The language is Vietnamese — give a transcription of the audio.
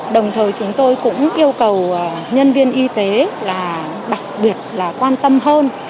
đồng thời chúng tôi cũng yêu cầu nhân viên y tế là đặc biệt là quan tâm hơn